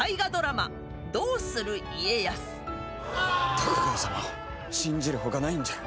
徳川様を信じる他ないんじゃ。